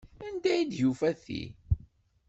Anda ay d-yufa ti?